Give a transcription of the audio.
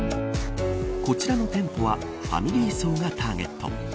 こちらの店舗はファミリー層がターゲット。